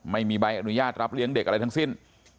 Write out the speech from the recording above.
ไม่มีใบอนุญาตรับเลี้ยงเด็กอะไรทั้งสิ้น